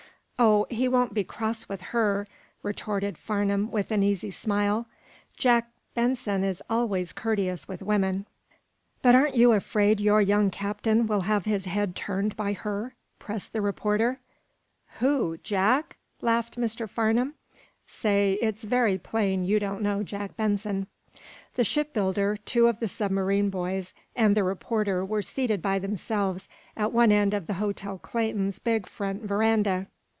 "Oh, he won't be cross with her," retorted Farnum, with an easy smile. "Jack Benson is always courteous with women." "But aren't you afraid your young captain will have his head turned by her?" pressed the reporter. "Who? Jack?" laughed Mr. Farnum. "Say, it's very plain you don't know Jack Benson." The shipbuilder, two of the submarine boys and the reporter were seated by themselves at one end of the Hotel Clayton's big front veranda.